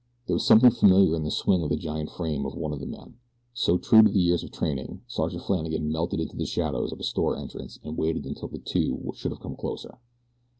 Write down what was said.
There was something familiar in the swing of the giant frame of one of the men. So, true to years of training, Sergeant Flannagan melted into the shadows of a store entrance and waited until the two should have come closer.